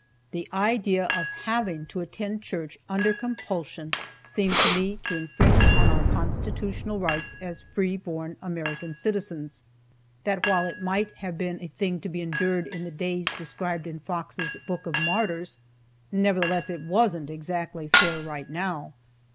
The idea of having to attend church under compulsion seemed to me to infringe on our constitutional rights as free born American citizens, that while it might have been a thing to be endured in the days described in Fox's "Book of Martyrs," nevertheless, it wasn't exactly fair right now.